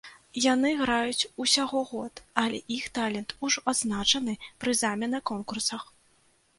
Яны граюць усяго год, але іх талент ужо адзначаны прызамі на конкурсах.